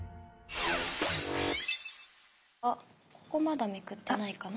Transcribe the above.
あここまだめくってないかな？